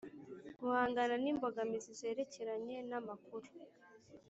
guhangana n imbogamizi zerekeranye n amakuru